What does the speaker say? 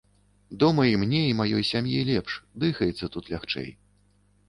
Дома і мне, і маёй сям'і лепш, дыхаецца тут лягчэй.